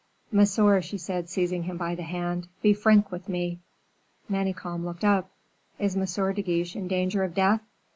"Monsieur," she said, seizing him by the hand, "be frank with me." Manicamp looked up. "Is M. de Guiche in danger of death?"